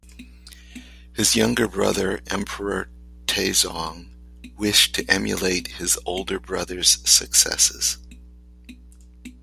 His younger brother, Emperor Taizong wished to emulate his older brother's successes.